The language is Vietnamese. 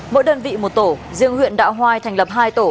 mỗi đơn vị một tổ riêng huyện đạo hoai thành lập hai tổ